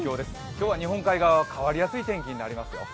今日は日本海側、変わりやすい天気になりますよ。